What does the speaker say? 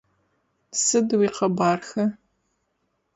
Сыд уикъэбархэ?